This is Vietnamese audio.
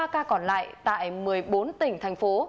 ba mươi ba ca còn lại tại một mươi bốn tỉnh thành phố